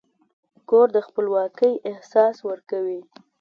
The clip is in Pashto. کور د خپلواکۍ احساس ورکوي.